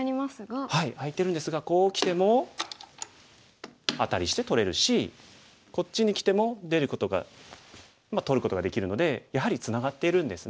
空いてるんですがこうきてもアタリして取れるしこっちにきても出ることがまあ取ることができるのでやはりツナがっているんですね。